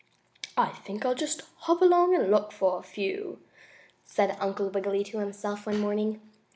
"I think I'll just hop along and look for a few," said Uncle Wiggily to himself one morning.